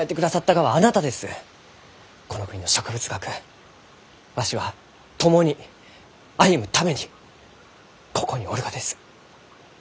この国の植物学わしは共に歩むためにここにおるがです。